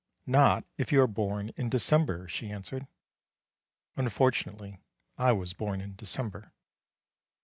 "Not if you are born in December," she answered. Unfortunately I was born in December.